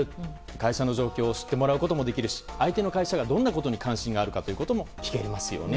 会社の状況を知ってもらうこともできるし相手の会社がどんなことに関心があるのかも聞けますよね。